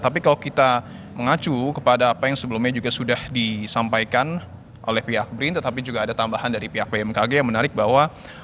tapi kalau kita mengacu kepada apa yang sebelumnya juga sudah disampaikan oleh pihak brin tetapi juga ada tambahan dari pihak bmkg yang menarik bahwa